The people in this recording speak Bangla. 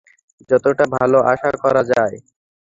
যতটা ভালো আশা করা যায়।